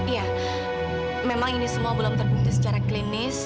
iya memang ini semua belum terbuka secara klinis